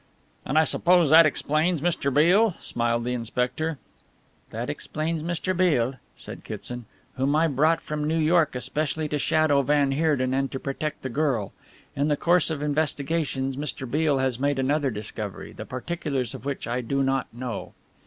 "And I suppose that explains Mr. Beale," smiled the inspector. "That explains Mr. Beale," said Kitson, "whom I brought from New York especially to shadow van Heerden and to protect the girl. In the course of investigations Mr. Beale has made another discovery, the particulars of which I do not know."